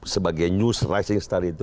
sebagai news rising star itu